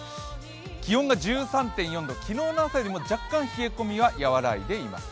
気温が１３．４度、昨日の朝よりも若干、冷え込みはやらわいでいます。